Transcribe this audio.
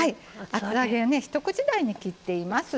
厚揚げをね一口大に切っています。